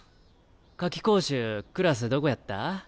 夏期講習クラスどこやった？